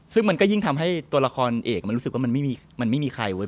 ซึ่งมันก็ยิ่งทำให้ตัวละครเอกมันรู้สึกว่ามันไม่มีใครเว้